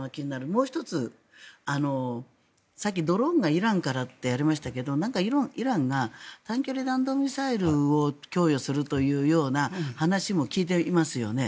もう１つ、さっきドローンがイランからってありましたけどイランが短距離弾道ミサイルを供与するというような話も聞いていますよね。